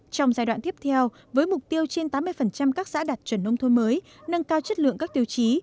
trong giai đoạn tiếp theo với mục tiêu trên tám mươi các xã đạt chuẩn nông thôn mới nâng cao chất lượng các tiêu chí